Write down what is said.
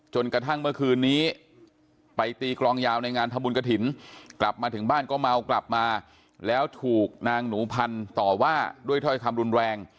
กระทั่งเมื่อคืนนี้ไปตีกรองยาวในงานทำบุญกระถิ่นกลับมาถึงบ้านก็เมากลับมาแล้วถูกนางหนูพันธุ์ต่อว่าด้วยถ้อยคำรุนแรง